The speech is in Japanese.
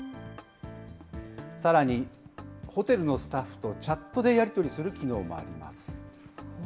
さらに、ホテルのスタッフとチャットでやり取りする機能もあります。